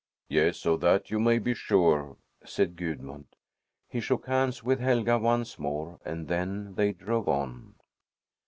"Yes, of that you may be sure!" said Gudmund. He shook hands with Helga once more, and then they drove on.